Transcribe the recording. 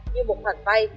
như một khoản vay